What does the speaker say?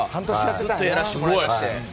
ずっとやらせてもらいまして。